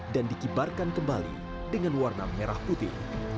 dan dikibarkan kembali dengan warna merah putih